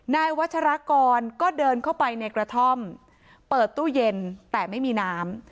นายวัชรากรก็เดินเข้าไปในกระท่อมเปิดตู้เย็นแต่ไม่มีน้ำ